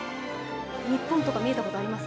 日本とかも見えたことあります？